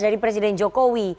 dari presiden jokowi